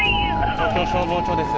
東京消防庁です。